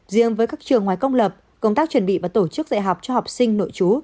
riêng với các trường ngoài công lập công tác chuẩn bị và tổ chức dạy học cho học sinh nội chú